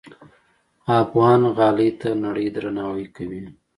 افغان غالۍ ته نړۍ درناوی کوي.